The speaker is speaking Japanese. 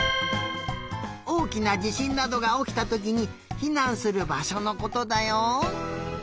おおきなじしんなどがおきたときにひなんするばしょのことだよ。